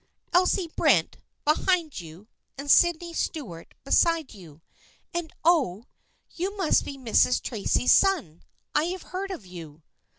"" Elsie Brent, behind you, and Sydney Stuart beside you. And oh ! you must be Mrs. Tracy's son ! I have heard of you."